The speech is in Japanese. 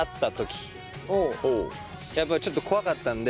やっぱりちょっと怖かったんで。